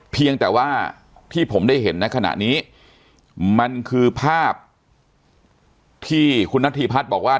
เพียงแต่ว่าที่ผมได้เห็นในขณะนี้มันคือภาพที่คุณนัทธิพัฒน์บอกว่า